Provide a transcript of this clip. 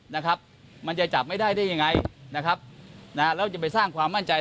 นะครับมันจะจับไม่ได้ได้ยังไงนะครับนะฮะแล้วจะไปสร้างความมั่นใจ